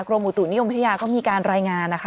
อุตุนิยมพัทยาก็มีการรายงานนะคะ